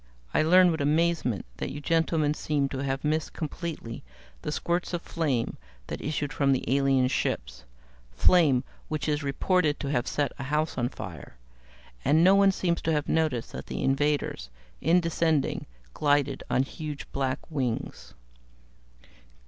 I learn with amazement that you gentlemen seem to have missed completely the spurts of flame that issued from the alien ships flame which is reported to have set a house on fire. And no one seems to have noticed that the invaders, in descending, glided on huge black wings."